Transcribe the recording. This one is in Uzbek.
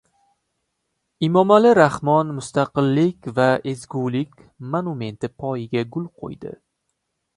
Emomali Rahmon Mustaqillik va ezgulik monumenti poyiga gul qo‘ydi